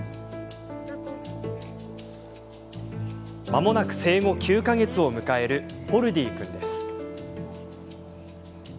まもなく生後９か月を迎えるホルディー君です。